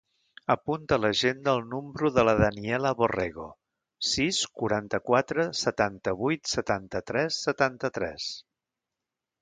Apunta a l'agenda el número de la Daniela Borrego: sis, quaranta-quatre, setanta-vuit, setanta-tres, setanta-tres.